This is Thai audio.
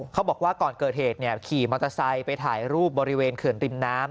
เขาบอกว่าก่อนเกิดเหตุขี่มอเตอร์ไซค์ไปถ่ายรูปบริเวณเขื่อนริมน้ำ